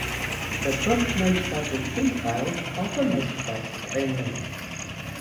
The "Bub Motorcycle Speed Trials" are for motorcycles only.